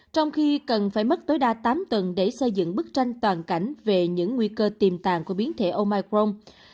trong khi cần phải mất tối đa tám tuần để xây dựng bức tranh toàn cảnh về những nguy cơ tiềm tàng của biến thể omicron